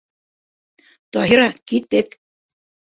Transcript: Таһира, киттек!